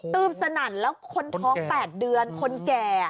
ืบสนั่นแล้วคนท้อง๘เดือนคนแก่